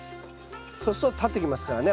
そうすると立ってきますからね。